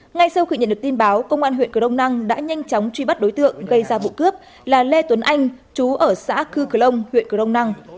ngay sau khi nhận được tin báo công an huyện cửa đông năng đã nhanh chóng truy bắt đối tượng gây ra vụ cướp là lê tuấn anh chú ở xã cư cửa đông huyện cửa đông năng